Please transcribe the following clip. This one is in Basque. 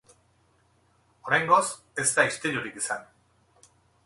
Oraingoz, ez da istilurik izan.